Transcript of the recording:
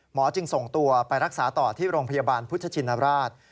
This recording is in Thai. จึงส่งตัวไปรักษาต่อที่โรงพยาบาลพุทธชินราช